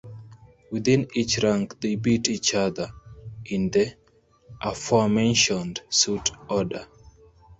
Within each rank they beat each other in the aforementioned suit order.